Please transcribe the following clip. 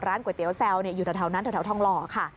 ก๋วยเตี๋ยแซวอยู่แถวนั้นแถวทองหล่อค่ะ